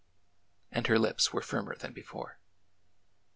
And her lips were firmer than before.